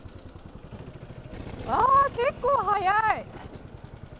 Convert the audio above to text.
あ、結構速い！